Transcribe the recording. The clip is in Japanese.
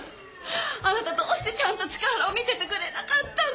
あなたどうしてちゃんと塚原を見ててくれなかったの！？